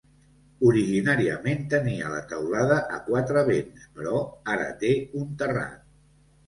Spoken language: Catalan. Originàriament tenia la teulada a quatre vents, però ara té un terrat.